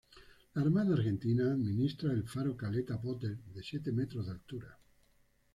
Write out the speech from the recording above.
La Armada Argentina administra el Faro Caleta Potter de siete metros de altura.